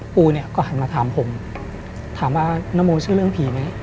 ปูเนี่ยก็หันมาถามผมถามว่านโมเชื่อเรื่องผีไหม